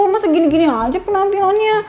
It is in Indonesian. masa gini gini aja penampilannya